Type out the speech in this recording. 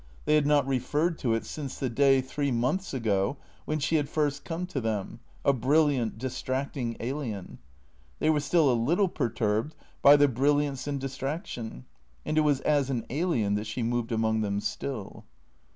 They had not referred to it since the day, three months ago, when she had first come to them, a brilliant, dis tracting alien. They were still a little perturbed by the bril liance and distraction, and it was as an alien that she moved among them still.